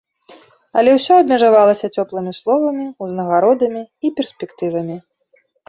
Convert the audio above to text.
Але ўсё абмежавалася цёплымі словамі, узнагародамі і перспектывамі.